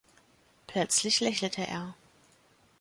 Plötzlich lächelte er.